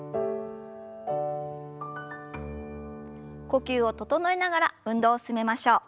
呼吸を整えながら運動を進めましょう。